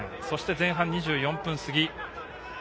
そして前半２４分過ぎ。